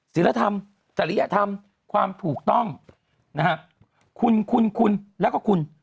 ศิลธรรมจริยธรรมความถูกต้องนะฮะคุณคุณแล้วก็คุณ